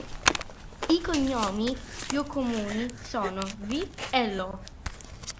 I cognomi più comuni sono Vi e Lo.